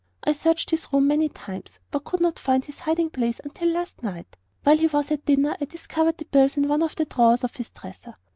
I searched his room many times, but could not find his hiding place until last night. While he was at dinner I discovered the bills in one of the drawers of his dresser.